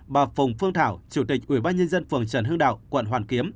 bà phùng phương thảo chủ tịch ủy ban nhân dân phường trần hưng đạo quận hoàn kiếm